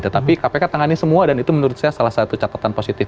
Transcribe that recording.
tetapi kpk tangani semua dan itu menurut saya salah satu catatan positif